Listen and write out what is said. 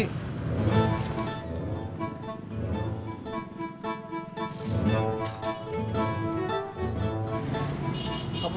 terusin aja sendiri